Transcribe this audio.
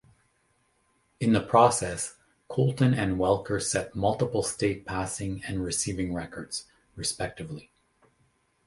In the process, Colton and Welker set multiple state passing and receiving records, respectively.